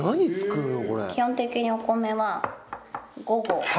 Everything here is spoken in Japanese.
基本的にお米は５合。